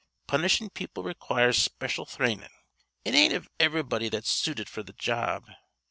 Punishing people requires special thrainin'. It ain't iv'rybody that's suited f'r th' job.